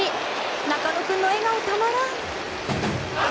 中野君の笑顔、たまらん！